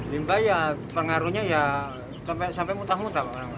limbah ya pengaruhnya ya sampai mutah mutah